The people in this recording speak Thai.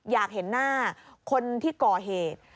อยากเห็นหน้าคนที่ก่อเหตุ